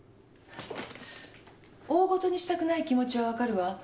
大事にしたくない気持ちは分かるわ。